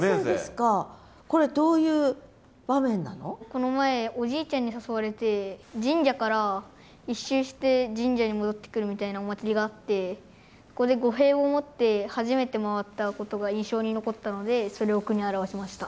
この前おじいちゃんに誘われて神社から１周して神社に戻ってくるみたいなお祭りがあってそこで御幣を持って初めて回ったことが印象に残ったのでそれを句に表しました。